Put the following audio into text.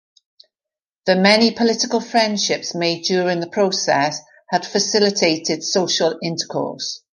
The many political friendships made during the process had facilitated social intercourse.